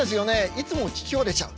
いつも聞きほれちゃう。